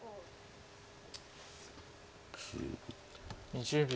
２０秒。